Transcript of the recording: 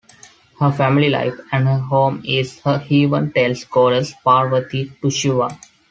Her family life and her home is her heaven, tells goddess Parvati to Shiva.